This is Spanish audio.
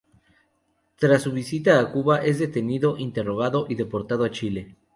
Tras su visita a Cuba es detenido, interrogado y deportado a Chile.